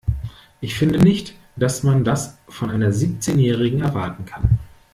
Ich finde nicht, dass man das von einer Siebzehnjährigen erwarten kann.